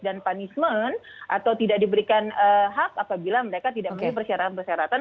dan punishment atau tidak diberikan hak apabila mereka tidak memiliki persyaratan